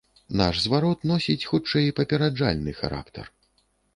Наш зварот носіць хутчэй папераджальны характар.